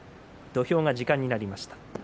土俵時間となりました。